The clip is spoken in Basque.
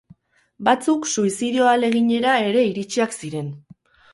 Batzuk suizidio ahaleginera ere iritsiak ziren.